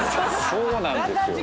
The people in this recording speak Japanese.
そうなんですよ。